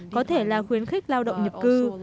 có thể là khuyến khích lao động nhập cư